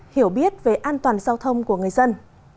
hiểu biết về an toàn giao thông của người dân